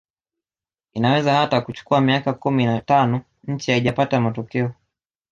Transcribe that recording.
Inaweza hata kuchukua miaka kumi na tano nchi haijapata matokeo